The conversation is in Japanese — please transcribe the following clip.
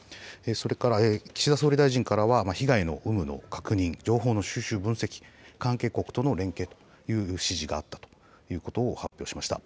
それから岸田総理大臣からは、被害の有無の確認、情報の収集、分析、関係国との連携という指示があったということを発表しました。